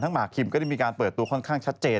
หมากคิมก็ได้มีการเปิดตัวค่อนข้างชัดเจน